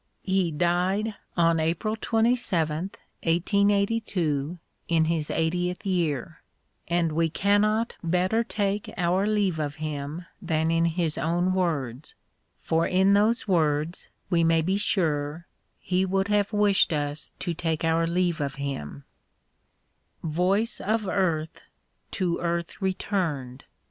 " iSz EMERSON He died on April 27, 1882, in his eightieth year, and we cannot better take our leave of him than in his own words, for in those words, we may be sure, he would have wished us to take our leave of him : Voice of earth to earth returned.